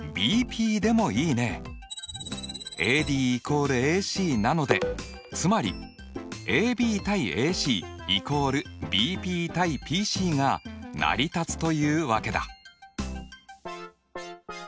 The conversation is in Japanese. ＡＤ＝ＡＣなのでつまりＡＢ：ＡＣ＝ＢＰ：ＰＣが成り立つというわけだ！